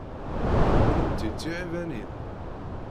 Kennemti d tiɛibanin?